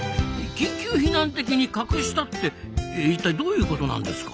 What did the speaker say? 緊急避難的に隠したって一体どういうことなんですか？